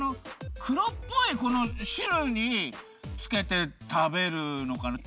くろっぽいしるにつけて食べるのかな？